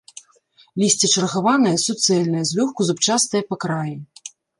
Лісце чаргаванае, суцэльнае, злёгку зубчастае па краі.